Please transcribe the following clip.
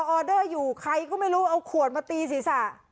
เออรอออเดอร์อยู่ใครก็ไม่รู้เอาขวดมาตีสิส่ะ